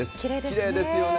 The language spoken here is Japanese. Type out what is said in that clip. きれいですね。